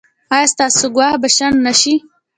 ایا ستاسو ګواښ به شنډ نه شي؟